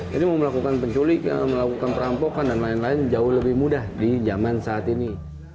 jadi mau melakukan penculik melakukan perampokan dan lain lain jauh lebih mudah di zaman saat ini